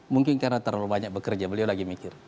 mungkin karena terlalu banyak bekerja beliau lagi mikir